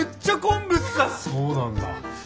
そうなんだ。